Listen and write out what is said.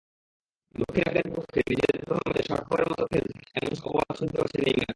দক্ষিণ আফ্রিকার বিপক্ষে নিজেদের প্রথম ম্যাচে স্বার্থপরের মতো খেলেছেন—এমন অপবাদ শুনতে হয়েছে নেইমারকে।